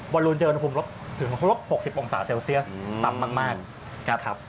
บรูนเจอบรูนภาพถึงลบ๖๐องศาเซลเซียสต่ำมาก